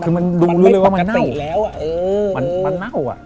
คือมันรู้เลยว่ามันเน่า